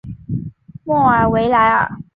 莫尔维莱尔。